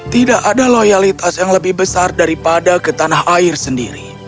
tidak ada loyalitas yang lebih besar daripada ke tanah air sendiri